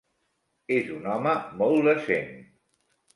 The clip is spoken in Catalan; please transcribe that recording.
És un home molt decent.